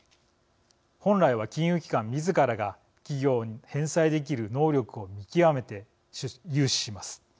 本来は金融機関みずからが企業に返済できる能力を見極めて融資します。